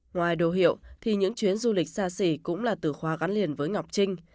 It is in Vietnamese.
ngoài đồ hiệu thì những chuyến du lịch xa xỉ cũng là tử khoa gắn liền với ngọc trinh